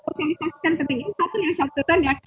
sosialisasikan kepinginan satu yang catetannya